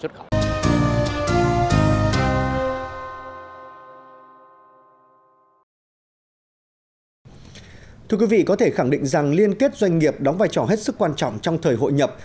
thưa quý vị có thể khẳng định rằng liên kết doanh nghiệp đóng vai trò hết sức quan trọng trong thời hội nhập